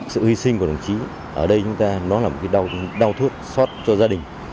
sự hy sinh của đồng chí ở đây chúng ta nó là một cái đau thước xót cho gia đình